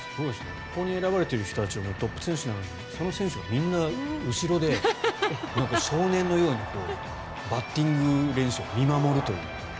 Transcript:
ここに選ばれている人たちはトップ選手なのにその人たちがみんな後ろで少年のようにバッティング練習を見守るという。